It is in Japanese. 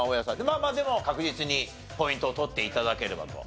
まあまあでも確実にポイントを取って頂ければと。